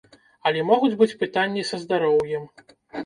Але могуць быць пытанні са здароўем.